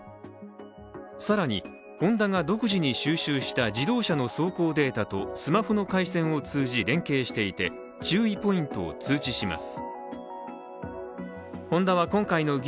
更にホンダが独自に収集した自動車の走行データとスマホの回線を通じ連携していて注意ポイントを通知します。